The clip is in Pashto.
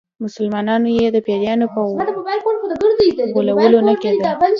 مسلمانانو یې د پیرانو په غولولو نه کېدل.